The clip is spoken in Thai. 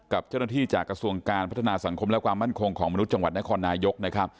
กับเจ้าหน้าที่จากกระทรวงการพัฒนาสังคมและความมั่นคงของมนุษย์จังหวัดนครนายกนะครับ